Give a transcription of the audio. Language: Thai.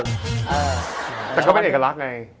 แต่ก็เป็นเอกลักษณ์ไง